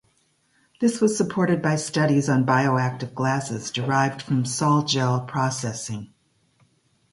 This was supported by studies on bioactive glasses derived from sol-gel processing.